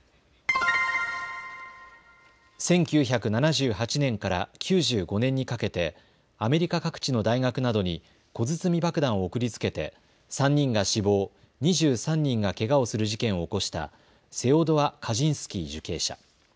１９７８年から９５年にかけてアメリカ各地の大学などに小包爆弾を送りつけて３人が死亡、２３人がけがをする事件を起こしたセオドア・カジンスキー受刑者。